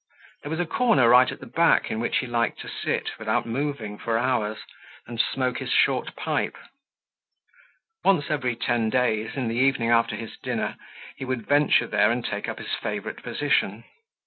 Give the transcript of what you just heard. There was a corner right at the back in which he liked to sit, without moving for hours, and smoke his short pipe. Once every ten days, in the evening after his dinner, he would venture there and take up his favorite position.